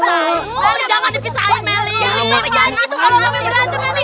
jangan dipisahin meli